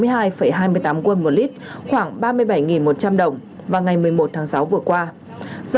và ngày một mươi một tháng sáu vừa qua giá dầu đã tăng lên hai sáu mươi hai hai mươi tám quân một lít khoảng ba mươi bảy một trăm linh đồng trong tháng bốn năm trước đó